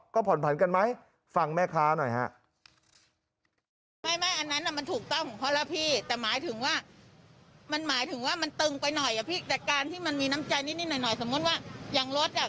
ก็ผ่อนผันกันไหมฟังแม่ค้าหน่อยฮะ